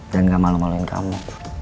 dan gak malu maluin kamu